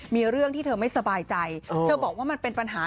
มีเรื่องที่เธอไม่สบายใจเธอบอกว่ามันเป็นปัญหา